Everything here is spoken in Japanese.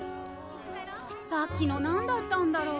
・さっきの何だったんだろう？